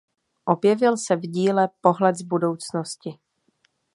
Objevil se v díle "Pohled z budoucnosti".